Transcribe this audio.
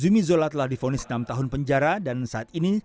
zmi zola telah difonis enam tahun penjara dan saat ini